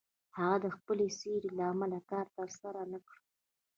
هغه د خپلې څېرې له امله کار تر لاسه نه کړ.